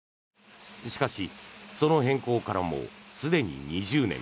しかし、その変更からもすでに２０年。